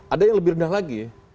ada yang lebih rendah lagi ya